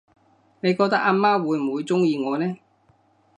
你覺得阿媽會唔會鍾意我呢？